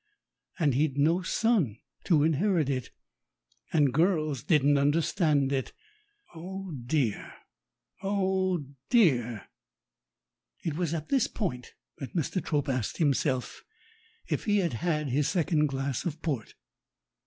And he'd no son to inherit it, and girls didn't understand it. Oh dear, oh dear! It was at this point that Mr. Trope asked himself if he had had his second glass of port.